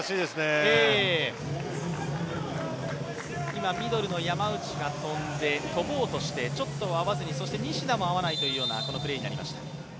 今、ミドルの山内が飛ぼうとしてちょっと合わずに、そして西田も合わないというような、このプレーになりました。